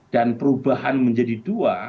dan perubahan menjadi dua